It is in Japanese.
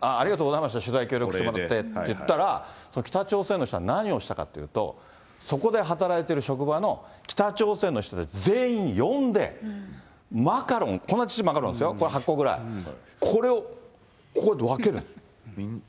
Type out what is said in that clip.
ありがとうございました、取材協力してもらってって言ったら、その北朝鮮の人は何をしたかっていうと、そこで働いてる職場の、北朝鮮の人たち全員呼んで、マカロン、こんなちっちゃいマカロンですよ、８個ぐらい、これをこうやって分ける。